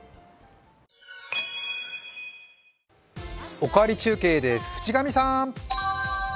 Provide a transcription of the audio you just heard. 「おかわり中継」で渕上さん。